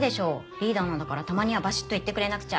リーダーなんだからたまにはバシッと言ってくれなくちゃ。